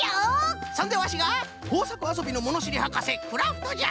そんでワシがこうさくあそびのものしりはかせクラフトじゃ！